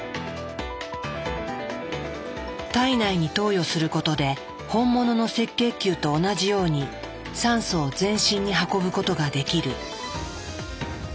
体内に投与することで本物の赤血球と同じように酸素を全身に運ぶことができる。